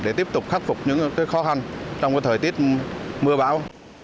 để tiếp tục khắc phục những khó khăn trong thời tiết mưa bão